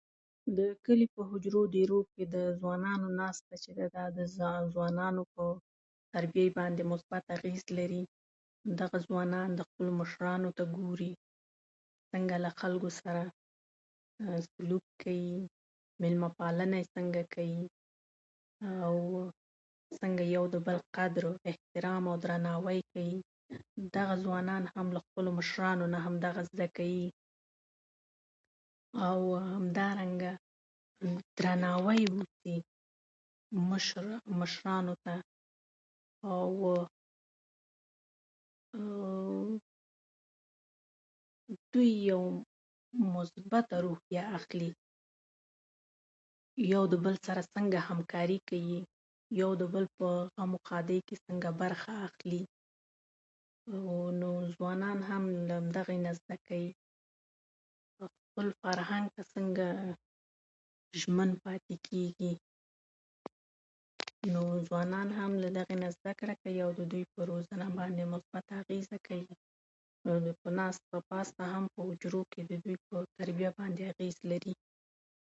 د کلي په حجرو دیرو کې د ځوانانو ناسته چې ده، دا د ځوانانو پو تربیې مثبه اغېز لري. دغه ځوانان د خپلو مشرانو ته ګوري؛ څنګه له خلکو سره سلوک کوي، میلمه پالنه یې څنګه کوي، او څنګه یو د بل قدر و احترام او درناوی کوي. دغه ځوانان له خپلو مشرانو نه دغه زده کوي، او همدارنګه درناوی وشي مشرانو ته، او دوی یو مثبته روحیه اخلي یو د بل سره څنګه همکاري کوي، یو د بل په غم ښادۍ کې څنګه برخه اخلي. نو ځوانان هم له همدغې نه زده کوي؛ خپل فرهنګ ته څنګه ژمن پاتې کېږي. نو ځوانان هم له دغې نه زده کړه کيي. نو د دوی په روزنه باندې مثبته اغېزه کوي. ناسته پاسته هم په حجرو کې د دوی په تربیه باندې اغېز لري